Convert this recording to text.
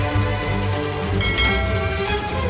tidak ada yang bisa dihukum